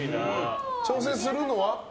挑戦するのは？